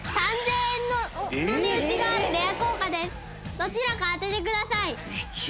どちらか当ててください。